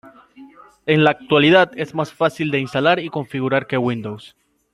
En la actualidad es más fácil de instalar y configurar que Windows.